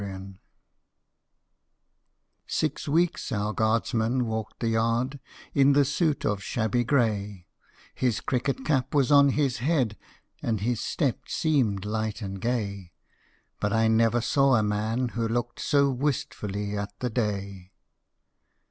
II SIX weeks our guardsman walked the yard, In the suit of shabby grey: His cricket cap was on his head, And his step seemed light and gay, But I never saw a man who looked So wistfully at the day.